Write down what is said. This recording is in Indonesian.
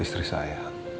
jemput istri saya